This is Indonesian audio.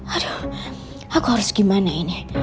aduh aku harus gimana ini